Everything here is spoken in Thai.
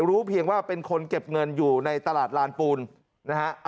รู้เพียงว่าเป็นคนเก็บเงินอยู่ในตลาดลานปูนนะฮะ